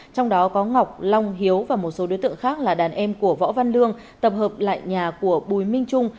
trong đó có ngọc long hiếu và một số đối tượng khác là đàn em của võ văn lương tập hợp lại nhà của bùi minh trung